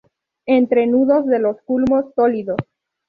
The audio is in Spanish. Entrenudos de los culmos sólidos.